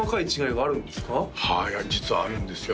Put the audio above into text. はい実はあるんですよ